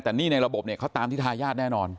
แต่หนี้ในระบบเนี่ยเขาตามที่ทายาทแน่นอน